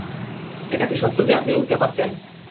এটা কি সত্য যে আপনি উড়তে পারতেন?